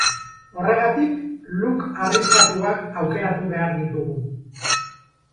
Horregatik, look arriskatuak aukeratu behar ditugu.